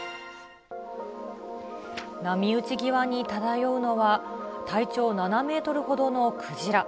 波打ち際に漂うのは、体長７メートルほどのクジラ。